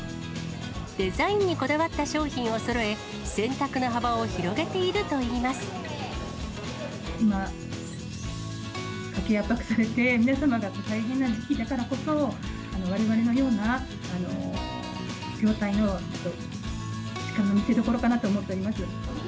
デザインにこだわった商品をそろえ、選択の幅を広げているといい今、家計圧迫されて、皆様が大変な時期だからこそ、われわれのような業態の力の見せどころかなと思っております。